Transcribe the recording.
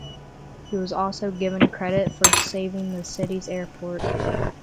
He was also given credit for saving the city's airport.